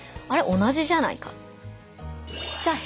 同じじゃないか」。